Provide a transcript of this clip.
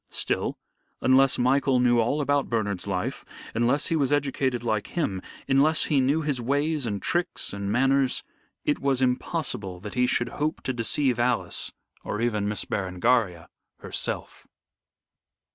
Still, unless Michael knew all about Bernard's life, unless he was educated like him, unless he knew his ways and tricks and manners, it was impossible that he should hope to deceive Alice or even Miss Berengaria herself.